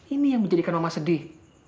ini yang menjadikan mama sedih